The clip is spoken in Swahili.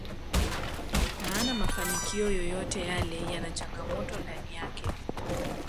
maana mafanikio yoyote yale yana changamoto ndani yake